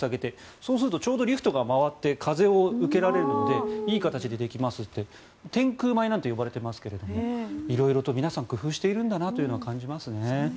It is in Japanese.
そうするとちょうどリフトが回って風を受けられるのでいい形出てきますって天空米なんて呼ばれていますが色々と皆さん工夫しているんだなと感じます。